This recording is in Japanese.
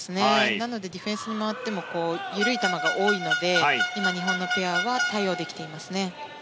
なのでディフェンスに回っても緩い球が多いので今、日本のペアは対応できていますね。